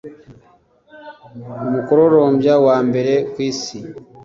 umukororombya wa mbere kwisi